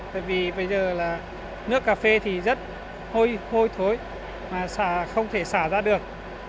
tại vì bây giờ là nước cà phê thì rất hôi thối mà không thể xả ra được